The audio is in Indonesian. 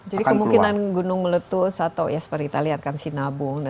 jadi kemungkinan gunung meletus atau ya seperti kita lihat kan sinabung